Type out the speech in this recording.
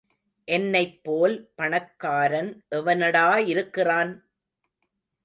என்னைப்போல் பணக்காரன் எவனடா இருக்கிறான்?